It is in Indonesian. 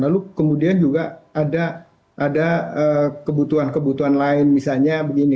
lalu kemudian juga ada kebutuhan kebutuhan lain misalnya begini